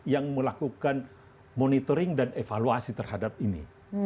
yang melakukan monitoring dan evaluasi terhadap ini